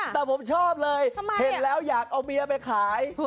แต่ผมชอบเลยเห็นแล้วอยากเอาเบียร์ไปขาย